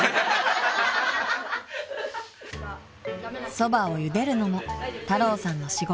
［そばをゆでるのも太郎さんの仕事］